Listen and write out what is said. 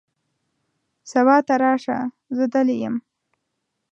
سبا ته راشه ، زه دلې یم .